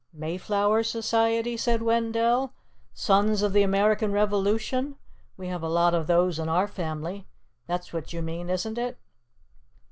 "Mayflower Society?" said Wendell. "Sons of the American Revolution? We have a lot of those in our family. That's what you mean, isn't it?"